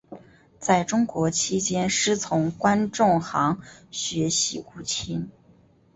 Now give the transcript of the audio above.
在中国期间师从关仲航学习古琴。